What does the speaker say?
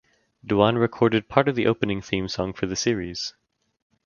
Duan recorded part of the opening theme song for the series.